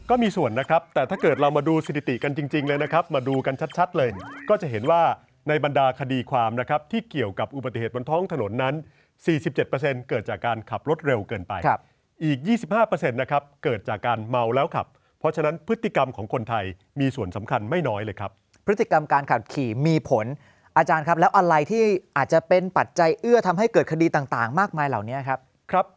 ก็มีส่วนนะครับแต่ถ้าเกิดเรามาดูสถิติกันจริงเลยนะครับมาดูกันชัดเลยก็จะเห็นว่าในบรรดาคดีความนะครับที่เกี่ยวกับอุบัติเหตุบนท้องถนนนั้น๔๗เปอร์เซ็นต์เกิดจากการขับรถเร็วเกินไปอีก๒๕เปอร์เซ็นต์นะครับเกิดจากการเมาแล้วครับเพราะฉะนั้นพฤติกรรมของคนไทยมีส่วนสำคัญไม่น้อยเลยครับ